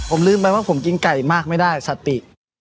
ผมลืมไปว่าผมกินไก่มากไม่ได้สติ